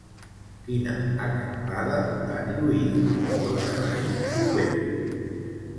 Quina acampada tan lluïda: tota la nit plovent!